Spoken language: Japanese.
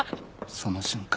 その瞬間